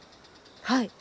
はい！